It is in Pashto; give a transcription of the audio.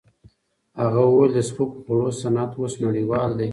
هغه وویل د سپکو خوړو صنعت اوس نړیوال دی.